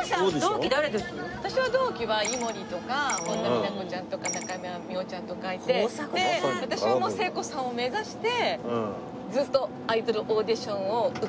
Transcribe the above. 私は同期は井森とか本田美奈子．ちゃんとか中山美穂ちゃんとかいて私はもう聖子さんを目指してずっとアイドルオーディションを受けまくりの。